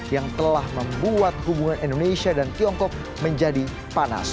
yang telah membuat hubungan indonesia dan tiongkok menjadi panas